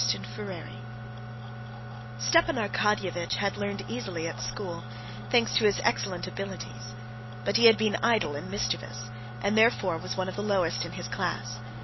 Chapter 5 Stepan Arkadyevitch had learned easily at school, thanks to his excellent abilities, but he had been idle and mischievous, and therefore was one of the lowest in his class.